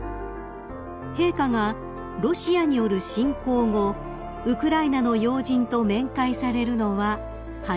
［陛下がロシアによる侵攻後ウクライナの要人と面会されるのは初めてです］